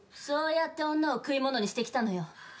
そうやって女を食い物にしてきたのよ。